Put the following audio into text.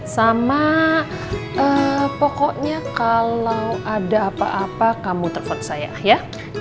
sama pokoknya kalau ada apa apa kamu telepon saya ya